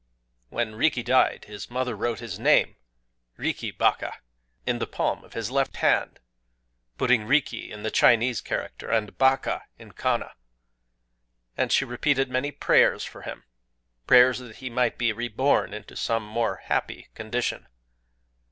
"When Riki died, his mother wrote his name, 'Riki Baka,' in the palm of his left hand,—putting 'Riki' in the Chinese character, and 'Baka' in kana (1). And she repeated many prayers for him,—prayers that he might be reborn into some more happy condition.